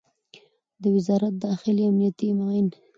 د وزارت داخلې امنیتي معین